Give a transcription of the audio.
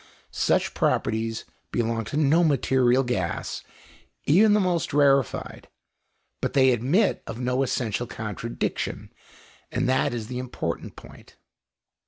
Such properties belong to no material gas, even the most rarefied, but they admit of no essential contradiction, and that is the important point.